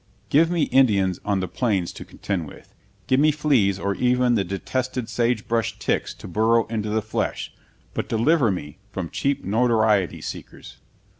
Give me Indians on the Plains to contend with; give me fleas or even the detested sage brush ticks to burrow into the flesh; but deliver me from cheap notoriety seekers!